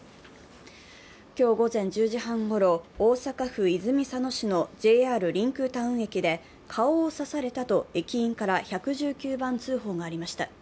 今日午前１０時半ごろ大阪府泉佐野市のＪＲりんくうタウン駅で顔を刺されたと駅員から１１９番通報がありました。